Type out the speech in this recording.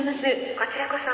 こちらこそ。